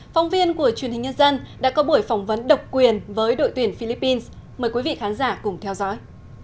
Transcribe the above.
phóng viên của truyền hình nhân dân đã có buổi phỏng vấn độc quyền với đội tuyển philippines mời quý vị khán giả cùng theo dõi